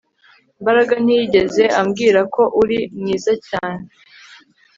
Mbaraga ntiyigeze ambwira ko uri mwiza cyane